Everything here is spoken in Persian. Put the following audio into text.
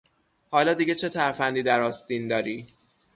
حالا دیگه چه ترفندی در آستین داری؟